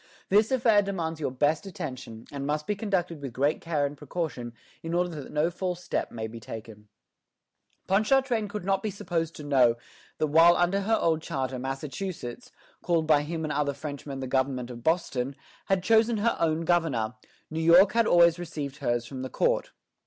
This affair demands your best attention, and must be conducted with great care and precaution, in order that no false step may be taken." Ponchartrain could not be supposed to know that while under her old charter Massachusetts, called by him and other Frenchmen the government of Boston, had chosen her own governor, New York had always received hers from the court.